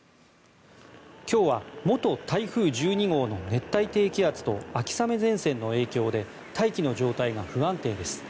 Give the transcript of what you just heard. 今日は元台風１２号の熱帯低気圧と秋雨前線の影響で大気の状態が不安定です。